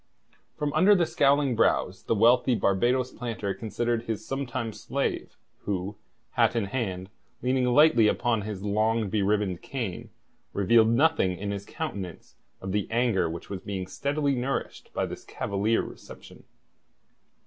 From under scowling brows the wealthy Barbados planter considered his sometime slave, who, hat in hand, leaning lightly upon his long beribboned cane, revealed nothing in his countenance of the anger which was being steadily nourished by this cavalier reception.